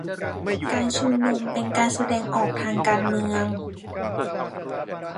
การชุมนุมเป็นการแสดงออกทางการเมือง